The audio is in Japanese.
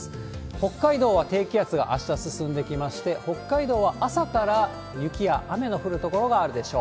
北海道は低気圧があした進んできまして、北海道は朝から雪や雨の降る所があるでしょう。